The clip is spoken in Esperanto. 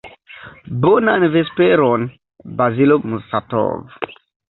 Bonan vesperon, Bazilo Musatov.